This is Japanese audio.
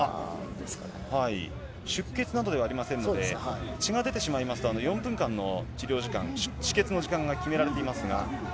出血などではありませんので、血が出てしまいますと、４分間の治療時間、止血の時間が決められていますが。